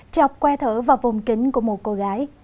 chọc que thở vào vùng kính của một cô gái